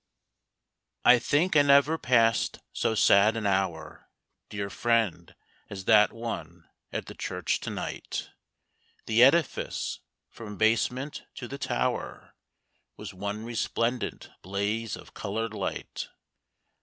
I think I never passed so sad an hour, Dear friend, as that one at the church to night. The edifice from basement to the tower Was one resplendent blaze of colored light.